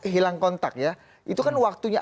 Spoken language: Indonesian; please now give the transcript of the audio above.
hilang kontak ya itu kan waktunya